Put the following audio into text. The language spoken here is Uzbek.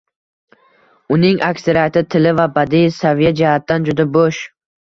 Uning aksariyati tili va badiiy saviya jihatidan juda bo‘sh.